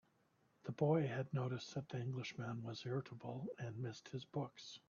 The boy had noticed that the Englishman was irritable, and missed his books.